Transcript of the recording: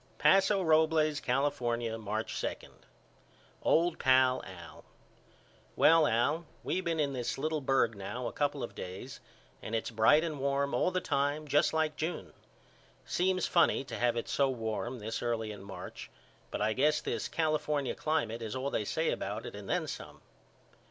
Paso Robles, California, March 2. OLD PAL AL: Well Al we been in this little berg now a couple of days and its bright and warm all the time just like June. Seems funny to have it so warm this early in March but I guess this California climate is all they said about it and then some.